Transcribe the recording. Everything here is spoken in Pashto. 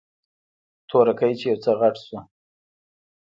تورکى چې يو څه غټ سو.